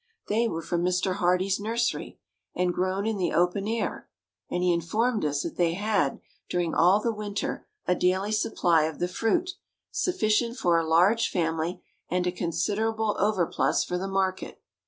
They were from Mr. Hardee's nursery, and grown in the open air; and he informed us that they had, during all the winter, a daily supply of the fruit, sufficient for a large family, and a considerable overplus for the market.